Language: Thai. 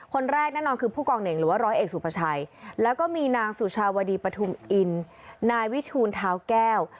คนแรกน่าจะคือผู้กองเหนิงหรือร้อยเอกสู่ประชัยแล้วก็มีนางสุชาวดีปฐุมอินไดวิทุณท้าวแก้ว